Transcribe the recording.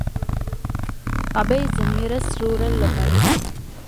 Abay is the nearest rural locality.